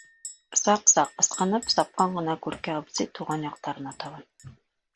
Саҡ-саҡ ысҡынып, сапҡан ғына Күркә абзый тыуған яҡтарына табан.